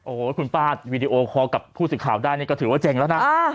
โอ้โหคุณป้าวีดีโอคอลกับผู้สื่อข่าวได้นี่ก็ถือว่าเจ๋งแล้วนะ